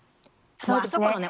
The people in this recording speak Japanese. あそこのね